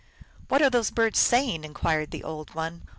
" What are those birds saying ?" inquired the Old One.